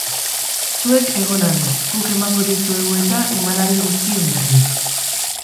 Zuek egon adi, guk emango dizuegu eta, emanaldi guztien berri.